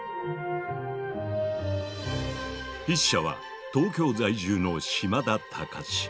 筆者は東京在住の島田隆資。